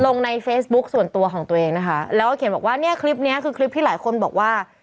ลงในเฟซบุ๊คส่วนตัวของตัวเองนะคะแล้วก็เขียนบอกว่าเนี่ยคลิปเนี้ยคือคลิปที่หลายคนบอกว่า